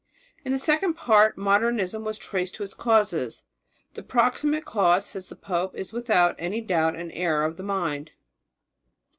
In the second part Modernism was traced to its causes. "The proximate cause," said the pope, "is without any doubt an error of the mind.